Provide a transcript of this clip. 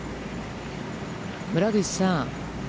村口さん。